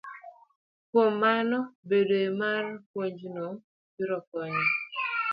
Kuom mano, bedoe mar puonjno biro konyo